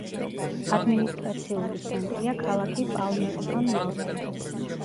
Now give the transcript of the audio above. ადმინისტრაციული ცენტრია ქალაქი პალმერსტონ-ნორთი.